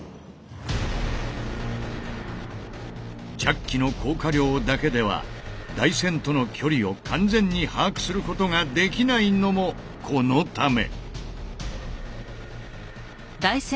ジャッキの降下量だけでは台船との距離を完全に把握することができないのもこのため。